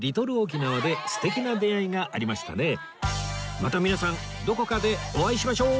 また皆さんどこかでお会いしましょう